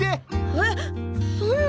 えっそんな！？